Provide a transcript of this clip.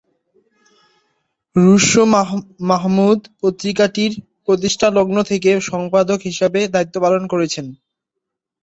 Russo Mahmud পত্রিকাটির প্রতিষ্ঠালগ্ন থেকে সম্পাদক হিসেবে দায়িত্ব পালন করছেন।